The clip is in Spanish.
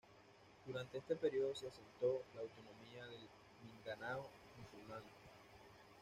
Durante este periodo se asentó la autonomía del Mindanao Musulmán.